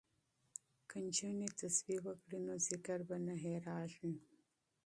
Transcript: که نجونې تسبیح وکړي نو ذکر به نه هیریږي.